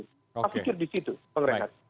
masukin disitu penggerakan